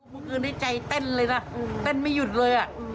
เมื่อคืนนี้ใจเต้นเลยนะเต้นไม่หยุดเลย